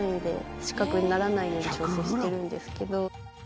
失格にならないように調整してるんですけど。